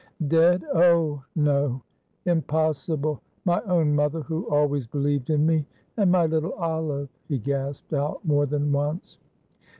"Dead! Oh, no impossible! My own mother, who always believed in me, and my little Olive!" he gasped out more than once.